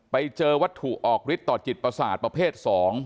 ไปเจอวัตถุออกฤทธิต่อจิตประสาทประเภท๒